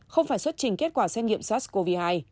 không phải xuất trình kết quả xét nghiệm sars cov hai